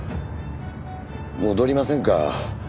戻りませんか？